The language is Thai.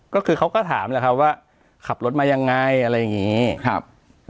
ก็คือเขาก็ถามแหละครับว่าขับรถมายังไงอะไรอย่างงี้ครับ